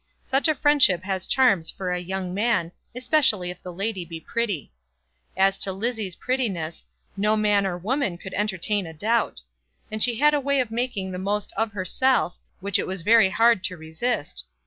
Such a friendship has charms for a young man, especially if the lady be pretty. As to Lizzie's prettiness, no man or woman could entertain a doubt. And she had a way of making the most of herself, which it was very hard to resist.